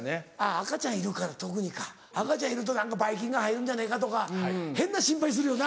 赤ちゃんいるから特にか赤ちゃんいるとばい菌が入るんじゃないかとか変な心配するよな。